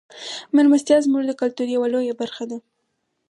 میلمستیا زموږ د کلتور یوه لویه برخه ده.